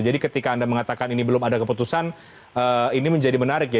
jadi ketika anda mengatakan ini belum ada keputusan ini menjadi menarik ya